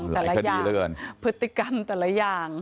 แต่ละอย่างพฤติกรรมแต่ละอย่าง